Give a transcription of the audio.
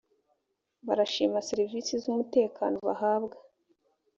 barashima serivisi z’umutekano bahabwa